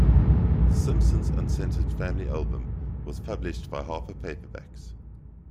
"The Simpsons Uncensored Family Album" was published by Harper Paperbacks.